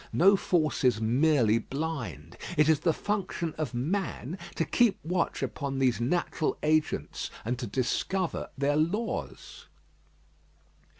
No force is merely blind. It is the function of man to keep watch upon these natural agents, and to discover their laws.